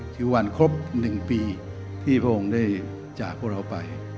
คือวันครบ๑ปีที่พระองค์ได้จากพวกเราไป